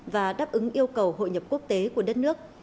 và đáp ứng yêu cầu hội nhập quốc tế của đất nước